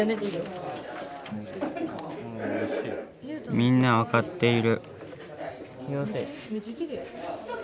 みんな分かっている。